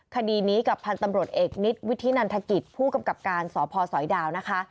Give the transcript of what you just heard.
คดีนี้กับพันธุ์ตำรวจเอกนิดนันทกิจผู้กำกับการสพสอยดาวนะคะ